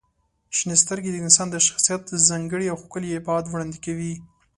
• شنې سترګې د انسان د شخصیت ځانګړی او ښکلی ابعاد وړاندې کوي.